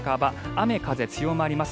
雨風強まります。